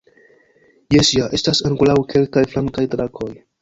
Jes ja, estas ankoraŭ kelkaj flankaj trakoj.